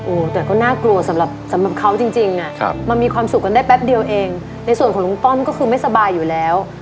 โอ้โหแต่ก็น่ากลัวสำหรับเขาจริงจริงอ่ะครับมันมีความสุขกันได้แป๊บเดียวเองในส่วนของลุงต้อมก็คือไม่สบายอยู่แล้ว